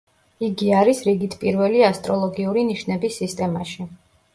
იგი არის რიგით პირველი ასტროლოგიური ნიშნების სისტემაში.